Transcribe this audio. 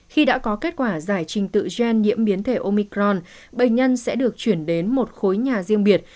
khi đã có kết quả giải trình tự gen nhiễm biến thể omicron bệnh nhân sẽ được chuyển đến một khối nhà riêng biệt